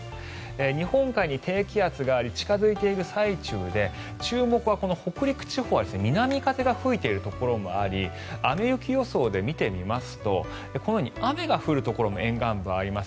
日本海に低気圧があり近付いている最中で注目は、北陸地方は南風が吹いているところもあり雨・雪予想で見てみますとこのように雨が降るところも沿岸部あります。